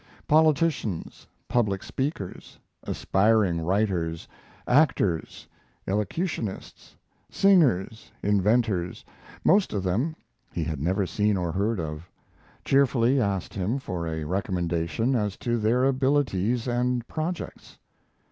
Politicians, public speakers, aspiring writers, actors, elocutionists, singers, inventors (most of them he had never seen or heard of) cheerfully asked him for a recommendation as to their abilities and projects.